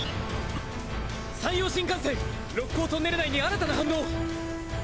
山陽新幹線六甲トンネル内に新たな反応！